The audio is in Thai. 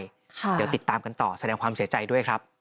เดี๋ยวติดตามกันต่อแสดงความเสียใจด้วยครับ